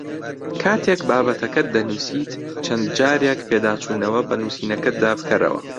کاتێک بابەتەکەت دەنووسیت چەند جارێک پێداچوونەوە بە نووسینەکەتدا بکەرەوە